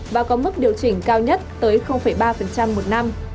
và có mức điều chỉnh cao nhất tới ba một năm